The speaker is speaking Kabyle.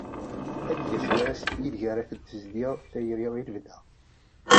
Ad d-yas wass ideg ara ten-tezdi tayri i lebda.